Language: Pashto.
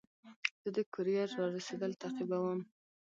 زه د کوریر رارسېدل تعقیبوم.